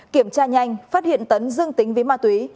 kiểm tra nhanh phát hiện tấn dương tính với ma túy